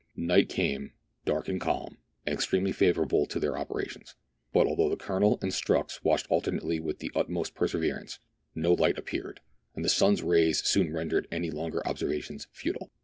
Night came, dark and calm, and extremely favourable to their operations ; but although the Colonel and Strux watched alternately with the utmost perseverance, no light appeared, and the sun's rays soon rendered any longer observations futile.